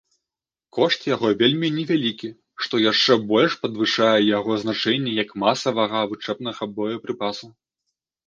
Кошт яго вельмі невялікі, што яшчэ больш падвышае яго значэнне як масавага вучэбнага боепрыпасу.